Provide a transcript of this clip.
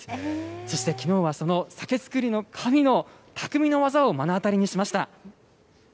そしてその酒造りの神のたくみの技を目の当たりにしました。